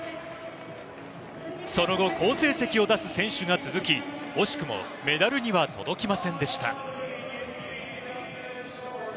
その後、好成績を出す選手が続き惜しくもメダルには届きませんでした。